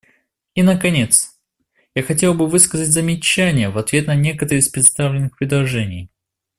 И наконец, я хотела бы высказать замечания в ответ на некоторые из представленных предложений.